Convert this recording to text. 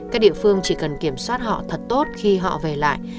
các địa phương chỉ cần kiểm soát họ thật tốt khi họ về lại